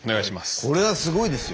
これはすごいですよ。